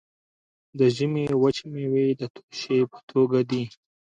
د ژمي وچې میوې د توشې په توګه دي.